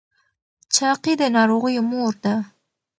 چاقي د ناروغیو مور ده.